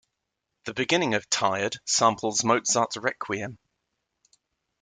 The beginning of "Tired" samples Mozart's Requiem.